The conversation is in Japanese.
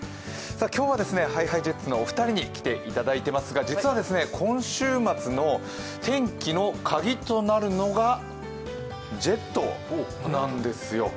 今日はＨｉＨｉＪｅｔｓのお二人に来ていただいていますが実は今週末の天気のカギとなるのがＪｅｔなんですよ。